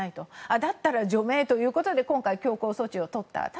だったら除名ということで今回強硬措置をとった。